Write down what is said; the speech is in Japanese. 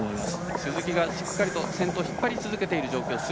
鈴木が先頭を引っ張り続けている状況です。